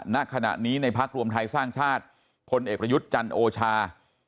ณขณะนี้ในพรรครวมไทรสร้างชาติคนเอกพระยุทธจรรโอชา